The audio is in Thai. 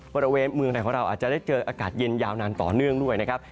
บริเวณเมืองไทยของเราอาจจะได้เจออากาศเย็นยาวนานต่อเนื่องด้วยนะครับ